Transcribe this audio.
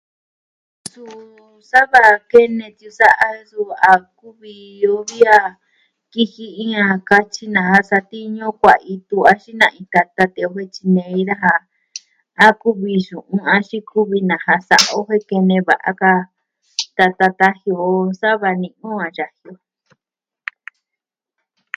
Suu sava kene tiuu sa'a suu a kuvi yu'vi a kiji iin nakatyi na'a satiñu o kuaa itu a xina'a iin kata tee vi tyinei daja a kuvi xu'un axin kuvi naja sa'a o kue'e kene va'a ka. Tata taji o sava ni'i o a yaji o.